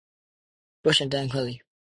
Bush and Dan Quayle.